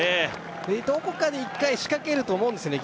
ええどこかで１回仕掛けると思うんですね